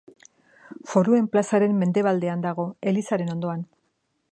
Foruen plazaren mendebaldean dago, elizaren ondoan.